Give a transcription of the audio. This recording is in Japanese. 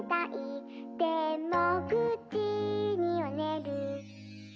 「でも９じにはねる」